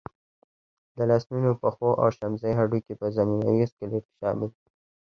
د لاسنونو، پښو او شمزۍ هډوکي په ضمیموي سکلېټ کې شامل دي.